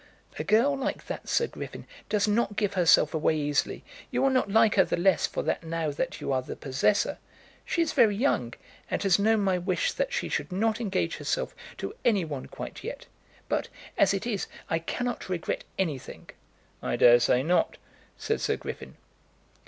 "A girl like that, Sir Griffin, does not give herself away easily. You will not like her the less for that now that you are the possessor. She is very young, and has known my wish that she should not engage herself to any one quite yet. But, as it is, I cannot regret anything." "I daresay not," said Sir Griffin.